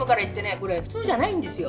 これ普通じゃないんですよ